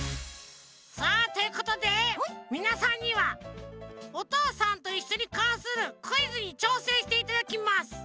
さあということでみなさんには「おとうさんといっしょ」にかんするクイズにちょうせんしていただきます。